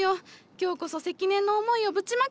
今日こそ積年の思いをぶちまけて。